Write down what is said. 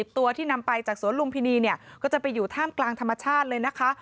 ตัวที่นำไปจากสวนลุมพินีเนี่ยก็จะไปอยู่ท่ามกลางธรรมชาติเลยนะคะ